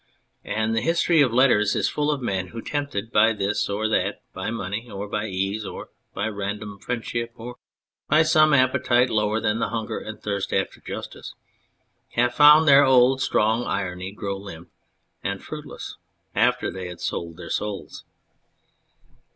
And the history of Letters is full of men who, tempted by this or by that, by money or by ease, or by random friendship, or by some appetite lower than the hunger and thirst after justice, have found their old strong irony grow limp and fruitless after they had sold their souls.